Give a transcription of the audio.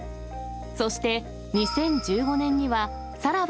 そして２０１５年にはサラバ！